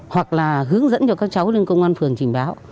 hoặc là hướng dẫn cho các cháu lên công an phường trình báo